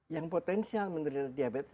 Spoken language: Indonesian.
yang potensial menderita diabetes